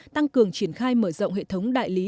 tăng cường triển khai mở rộng hệ thống đại lý